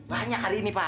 banyak hari ini pak